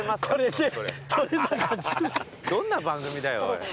どんな番組だよおい。